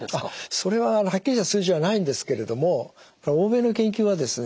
それははっきりとした数字はないんですけれども欧米の研究はですね